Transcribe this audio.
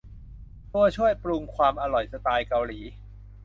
ตัวช่วยปรุงความอร่อยสไตล์เกาหลี